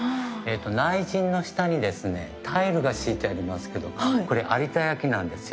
内陣の下にタイルが敷いてありますけどこれ、有田焼なんですよ。